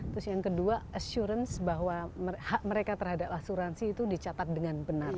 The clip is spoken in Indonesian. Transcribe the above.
terus yang kedua assurance bahwa hak mereka terhadap asuransi itu dicatat dengan benar